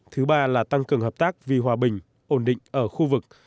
thứ ba là tăng cường hợp tác vì hòa bình ổn định ở khu vực